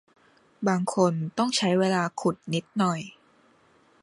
บางคนต้องใช้เวลาขุดนิดหน่อย